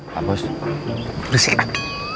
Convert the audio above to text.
pak bos berisikin aku